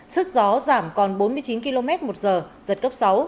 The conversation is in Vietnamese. sức gió giảm còn bốn mươi chín km một giờ giật cấp sáu